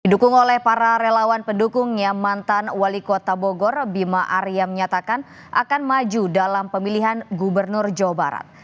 didukung oleh para relawan pendukungnya mantan wali kota bogor bima arya menyatakan akan maju dalam pemilihan gubernur jawa barat